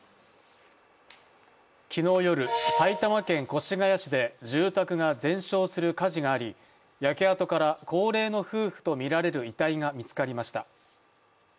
昨日夜、埼玉県越谷市で住宅が全焼する火事があり、焼け跡から高齢の夫婦とみられる遺体が見つかりました。